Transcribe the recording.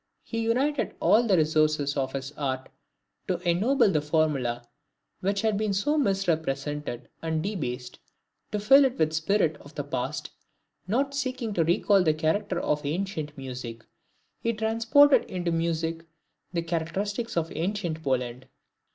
He united all the resources of his art to ennoble the formula which had been so misrepresented and debased, to fill it with the spirit of the past; not seeking to recall the character of ancient music, he transported into music the characteristics of ancient Poland.